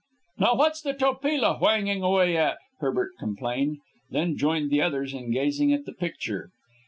"Now what's the Topila whanging away at?" Habert complained, then joined the others in gazing at the picture.